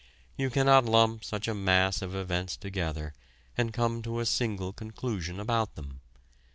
You cannot lump such a mass of events together and come to a single conclusion about them.